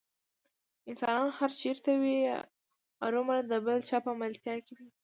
انسان هر چېرته وي ارومرو د بل چا په ملتیا کې وي.